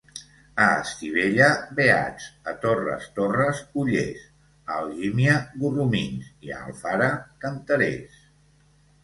A Estivella, beats; a Torres Torres, ollers; a Algímia, gorromins, i a Alfara, canterers.